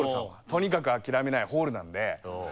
とにかく諦めないホールなんで。